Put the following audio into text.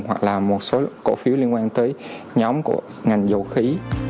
hoặc là một số cổ phiếu liên quan tới nhóm của ngành dầu khí